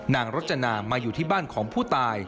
นางรจนามาอยู่ที่บ้านของผู้ตาย